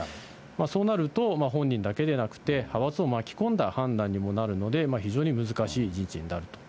そうなると、本人だけでなくて、派閥を巻き込んだ判断にもなるので、非常に難しい人事になると。